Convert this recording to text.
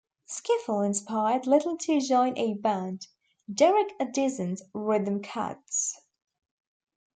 Skiffle inspired Little to join a band, Derek Addison's Rhythm Katz.